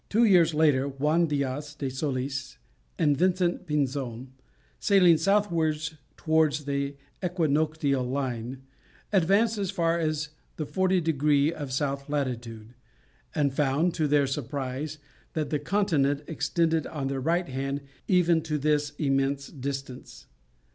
Two years later Juan Diaz de Solis and Vincent Pinzon sailing southwards towards the equinoctial line, advanced as far as the 40 degrees of south latitude, and found, to their surprise, that the continent extended on their right hand even to this immense distance.